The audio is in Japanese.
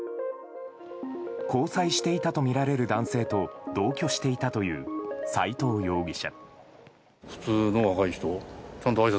交際していたとみられる男性と同居していたという斎藤容疑者。